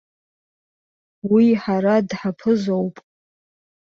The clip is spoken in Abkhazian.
Уи ҳара дҳаԥызоуп.